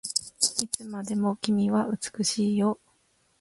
いつまでも君は美しいよ